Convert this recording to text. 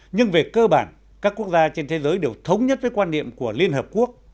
nhưng về cơ bản các quốc gia trên thế giới đều thống nhất với quan niệm của liên hợp quốc